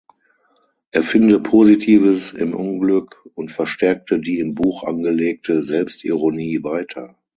Er finde Positives im Unglück und verstärke die im Buch angelegte Selbstironie weiter.